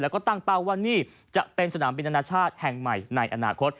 แล้วก็ตั้งเป้าว่านี่จะเป็นสนามบินอนาชาติแห่งใหม่ในอนาคต